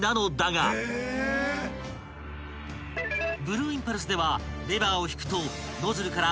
［ブルーインパルスではレバーを引くと］